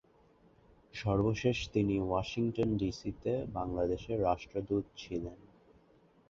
সর্বশেষ তিনি ওয়াশিংটন ডিসিতে বাংলাদেশের রাষ্ট্রদূত ছিলেন।